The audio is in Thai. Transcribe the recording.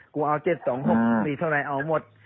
กูเอา๗๒๖มีเท่าไรเอาหมด